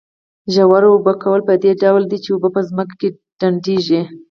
ژور اوبه کول په دې ډول دي چې اوبه په ځمکه کې ډنډېږي.